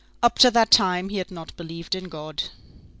Up to that time, he had not believed in God.